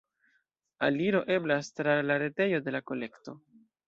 Aliro eblas tra la retejo de la kolekto.